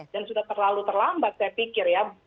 dan sudah terlalu terlambat saya pikir ya